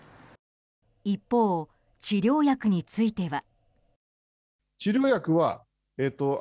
一方、治療薬については。